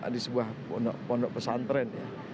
di sebuah pondok pesantren